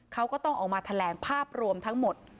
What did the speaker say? เขาก็ต้องออกมาแถลงภาพรวมทั้งหมด